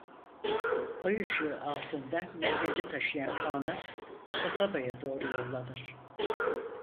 Ay ışığı altında Mehmet'i taşıyan kağnı kasabaya doğru yollanır.